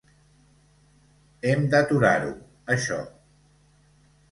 Hem d’aturar-ho, això.